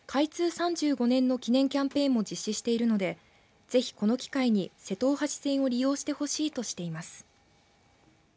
３５年の記念キャンペーンも実施しているのでぜひこの機会に瀬戸大橋線を利用してほしいとしています。